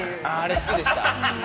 何か好きでした。